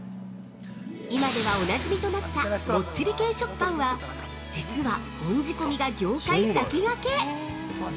◆今ではおなじみとなった「もっちり系食パン」は実は、本仕込が業界先駆け！